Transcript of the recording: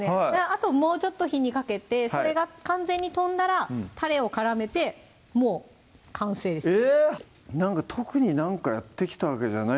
あともうちょっと火にかけてそれが完全に飛んだらたれを絡めてもう完成です